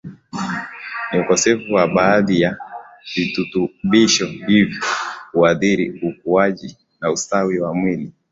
ni ukosefu wa baadhi ya vitutubisho hivi huadhiri ukuaji na ustawi wa mwili